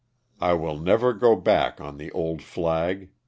I will never go back on the old flag.